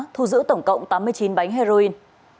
thu giữ tổng cộng tám mươi chín bánh heroin